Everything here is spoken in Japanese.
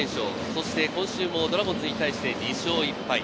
そして今週もドラゴンズに対して２勝１敗。